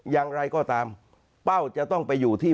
ยังไงก็ตามแป้วจะต้องไปอยู่ที่